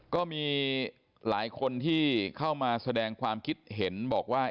ก็มีหลายคนที่เข้ามาแสดงความคิดเห็นบอกว่า